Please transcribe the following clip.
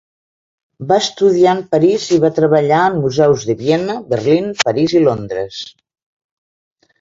Va estudiar en París i va treballar en museus de Viena, Berlín, París i Londres.